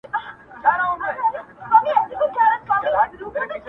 چي زاغان مي خوري ګلشن او غوټۍ ورو ورو!!